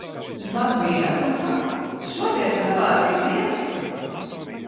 Zvanu vīram un saku: "Šodien savārīju ziepes!"